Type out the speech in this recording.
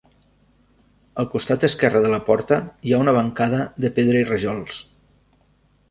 Al costat esquerre de la porta hi ha una bancada de pedra i rajols.